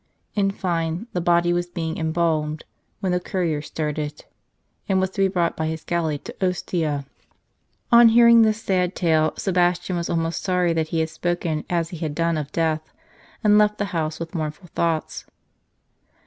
In fine, the body was being em balmed when the courier started, and was to be brought by his galley to Ostia. On hearing this sad tale, Sebastian was almost sorry that he had spoken as he had done of death, and left the house with mournful thoughts.